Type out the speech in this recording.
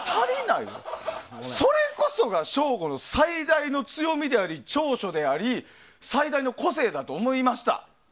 それこそが省吾の最大の強みであり長所であり最大の個性だと思いました。